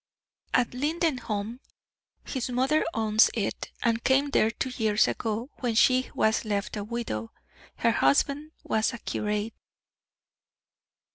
"At Lindenholm his mother owns it, and came there two years ago, when she was left a widow. Her husband was a curate."